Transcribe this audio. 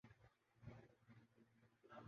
stroke کی چھٹنی کی ترتیب